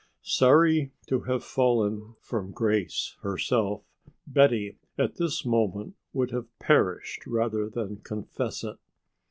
Sorry to have fallen from grace herself, Betty at this moment would have perished rather than confess it.